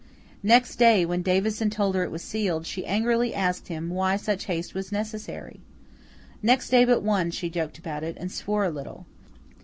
Next day, when Davison told her it was sealed, she angrily asked him why such haste was necessary? Next day but one, she joked about it, and swore a little.